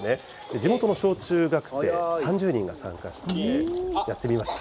地元の小中学生３０人が参加して、やってみました。